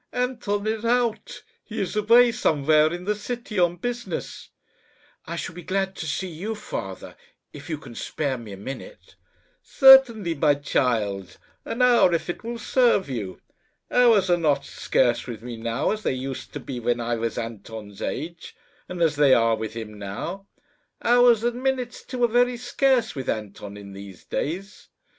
"Anton is out. He is away somewhere in the city on business." "I shall be glad to see you, father, if you can spare me a minute." "Certainly, my child an hour if it will serve you. Hours are not scarce with me now, as they used to be when I was Anton's age, and as they are with him now. Hours, and minutes too, are very scarce with Anton in these days.